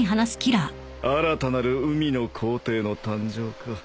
新たなる海の皇帝の誕生か。